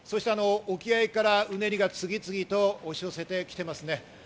沖合からうねりが次々と押し寄せてきています。